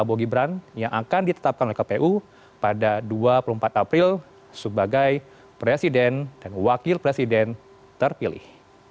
prabowo gibran yang akan ditetapkan oleh kpu pada dua puluh empat april sebagai presiden dan wakil presiden terpilih